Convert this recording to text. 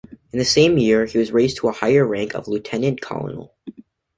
In that same year, he was raised to a higher rank of lieutenant colonel.